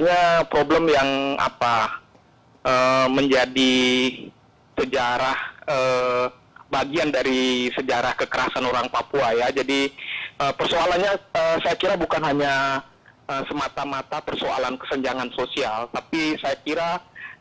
ya terima kasih